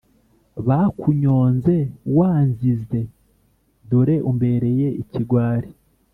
Bakunyonze wanzize dore umbereye ikigwari.